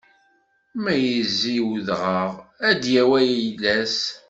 Ma izzi i udɣaɣ, ad d-yawi ayla-s.